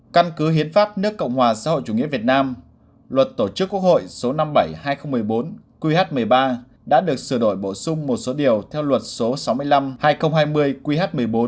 căn cứ hiến pháp nước cộng hòa xã hội chủ nghĩa việt nam luật tổ chức quốc hội số năm mươi bảy hai nghìn một mươi bốn qh một mươi ba đã được sửa đổi bổ sung một số điều theo luật số sáu mươi năm hai nghìn hai mươi qh một mươi bốn